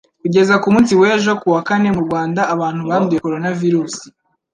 Kugeza ku munsi w'ejo ku wa kane, mu Rwanda abantu banduye coronavirus